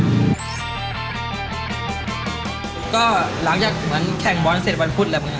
ก็รักอย่างแข่งบอลเสร็จวันพุธแหละครับ